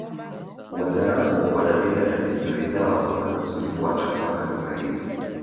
Wazaramo wana mila na desturi zao wanazozifuata mpaka sasa hivi